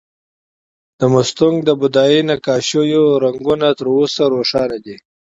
د مستونګ د بودايي نقاشیو رنګونه تر اوسه روښانه دي